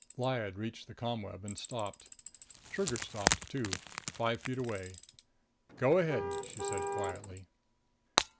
Lyad reached the ComWeb and stopped. Trigger stopped too, five feet away. "Go ahead," she said quietly.